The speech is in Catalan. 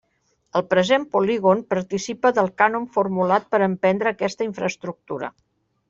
El present polígon participa del cànon formulat per a emprendre aquesta infraestructura.